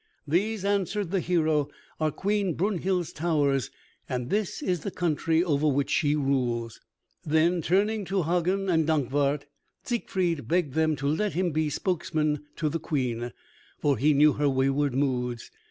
"These," answered the hero, "are Queen Brunhild's towers and this is the country over which she rules." Then turning to Hagen and Dankwart Siegfried begged them to let him be spokesman to the Queen, for he knew her wayward moods.